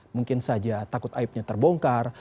mungkin saja takut aibnya terbongkar